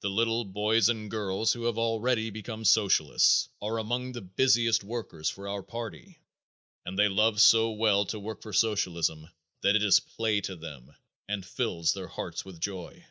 The little boys and girls who have already become socialists are among the busiest workers for our party and they love so well to work for socialism that it is play to them and fills their hearts with joy.